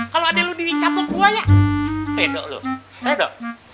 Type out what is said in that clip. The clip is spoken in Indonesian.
kalau ada yang lebih capok buaya redo lo redo